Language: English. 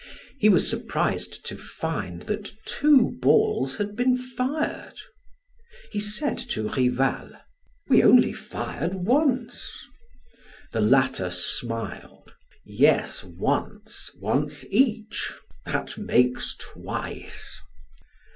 He was surprised to find that two balls had been fired. He said to Rival: "We only fired once!" The latter smiled: "Yes once once each that makes twice!"